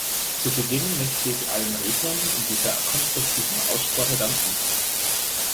Zu Beginn möchte ich allen Rednern in dieser konstruktiven Aussprache danken.